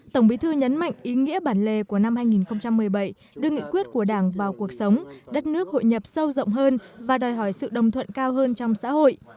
tổng bí thư nhấn mạnh ý nghĩa bản lề của năm hai nghìn một mươi bảy đưa nghị quyết của đảng vào cuộc sống đất nước hội nhập sâu rộng hơn và đòi hỏi sự đồng thuận cao hơn trong xã hội